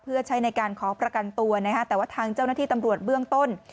เพื่อใช้ในการขอประกันตัวนะฮะแต่ว่าทางเจ้าหน้าที่ตำรวจเบื้องต้น